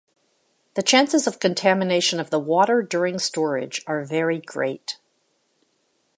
The chances of contamination of the water during storage are very great.